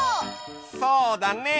そうだね。